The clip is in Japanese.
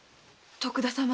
徳田様